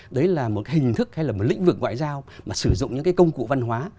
đấy là một hình thức hay là một lĩnh vực ngoại giao mà sử dụng những cái công cụ văn hóa